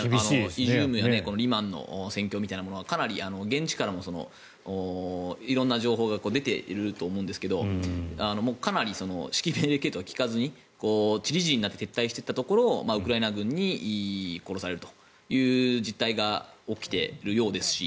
イジュームやリマンの戦況なんかもかなり現地からも色んな情報が出ていると思うんですがかなり指揮命令系統が利かずに散り散りになって撤退していったところをウクライナ軍に殺されるという実態が起きているようですし。